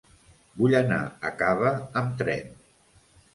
Vull anar a Cava amb tren.